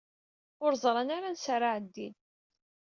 Ur ẓṛan ara ansa ara ɛeddin.